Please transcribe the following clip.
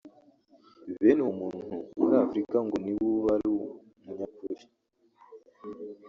bene uwo muntu muri Afurika ngo niwe uba ari umunyakuri